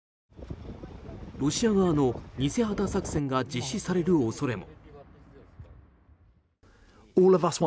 ロシア側の偽旗作戦が実施される恐れも。